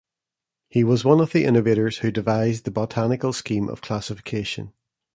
He was one of the innovators who devised the botanical scheme of classification.